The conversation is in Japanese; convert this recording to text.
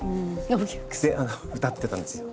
で歌ってたんですよ。